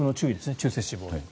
中性脂肪の。